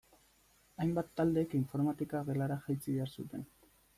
Hainbat taldek informatika gelara jaitsi behar zuten.